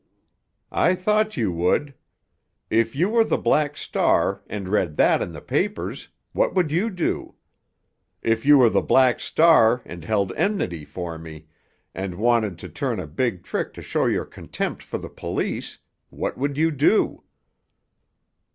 "I thought you would. If you were the Black Star, and read that in the papers, what would you do? If you were the Black Star and held enmity for me, and wanted to turn a big trick to show your contempt for the police, what would you do?"